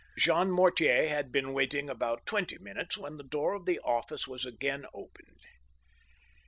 Jean Mortier had been waiting about twenty minutes when the door of the office was again opened.